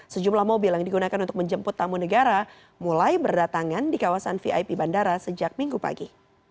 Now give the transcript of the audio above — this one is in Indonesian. sejumlah mobil yang digunakan untuk menjemput tamu negara mulai berdatangan di kawasan vip bandara sejak minggu pagi